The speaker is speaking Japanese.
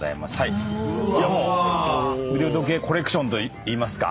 いやもう腕時計コレクションといいますか。